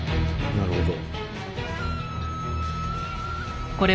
なるほど。